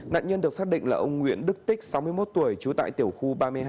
nạn nhân được xác định là ông nguyễn đức tích sáu mươi một tuổi trú tại tiểu khu ba mươi hai